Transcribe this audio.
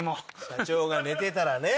社長が寝てたらね